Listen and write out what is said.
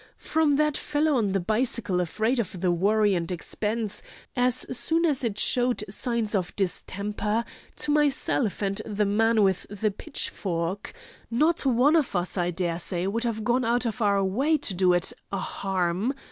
From that fellow on the bicycle, afraid of the worry and expense, as soon as it showed signs of distemper, to myself and the man with the pitch fork—not one of us, I daresay, would have gone out of our way to do it—a harm.